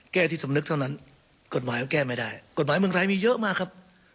แก้ที่สำนึกเท่านั้นกฎหมายก็แก้ไม่ได้กฎหมายเมืองไทยมีเยอะมากครับ